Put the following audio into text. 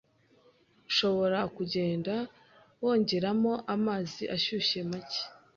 ushobora kugenda wongeramo amazi ashyushe make